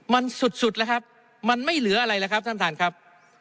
มันสุดสุดแล้วครับมันไม่เหลืออะไรแล้วครับท่านท่านครับ